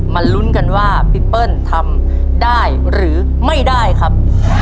ลุ้นกันว่าพี่เปิ้ลทำได้หรือไม่ได้ครับ